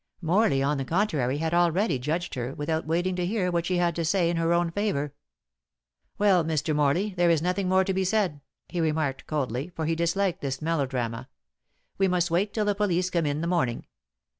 Morley, on the contrary, had already judged her, without waiting to hear what she had to say in her own favor. "Well, Mr. Morley, there is nothing more to be said," he remarked coldly, for he disliked this melodrama; "we must wait till the police come in the morning.